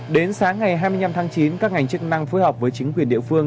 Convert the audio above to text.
đến sáng ngày hai mươi năm tháng chín các ngành chức năng phối hợp với chính quyền địa phương